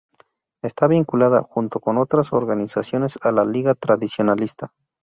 Está vinculada, junto con otras organizaciones, a la Liga Tradicionalista.